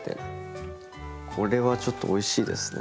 これはちょっとおいしいですね。